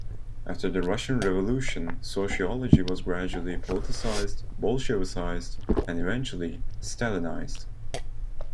After the Russian Revolution, sociology was gradually "politicized, Bolshevisized and eventually, Stalinized".